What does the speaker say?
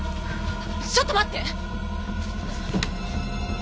ちょっと待って！